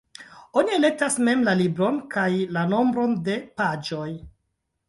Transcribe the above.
Oni elektas mem la libron kaj la nombron de paĝoj.